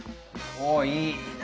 おいいな。